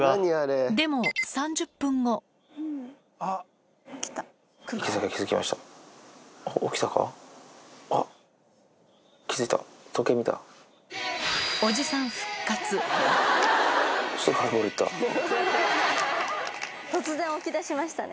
でも突然起きだしましたね。